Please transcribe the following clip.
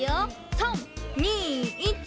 ３２１。